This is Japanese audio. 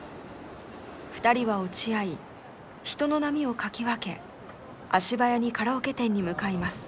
２人は落ち合い人の波をかき分け足早にカラオケ店に向かいます。